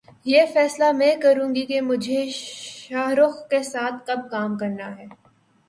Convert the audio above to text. یہ فیصلہ میں کروں گی کہ مجھے شاہ رخ کے ساتھ کب کام کرنا ہے